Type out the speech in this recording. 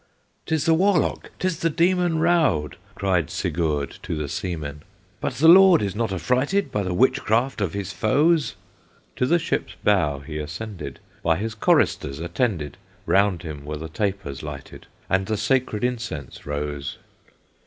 "'Tis the warlock! 'tis the demon Raud!" cried Sigurd to the seamen; "But the Lord is not affrighted By the witchcraft of his foes." To the ship's bow he ascended, By his choristers attended, Round him were the tapers lighted, And the sacred incense rose.